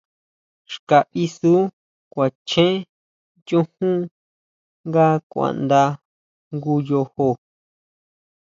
Xka isú kuachen chujun nga kuanda jngu yojo.